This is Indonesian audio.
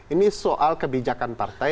ini soal kebijakan partai